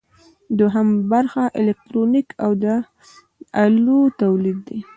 دوهم برخه الکترونیک او د الو تولید دی.